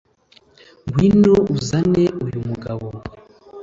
ngwino uzane uyu mugabo